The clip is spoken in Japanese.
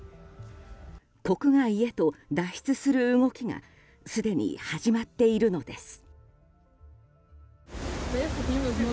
国外へと脱出する動きがすでに始まっているのです。